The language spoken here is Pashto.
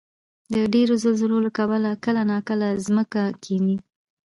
د ډېرو زلزلو له کبله کله ناکله ځمکه کښېني.